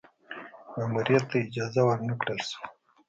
ماموریت ته اجازه ور نه کړل شوه.